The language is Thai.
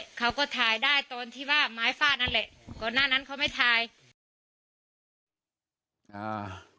ก่อนหน้านั้นเขาไม่ถ่าย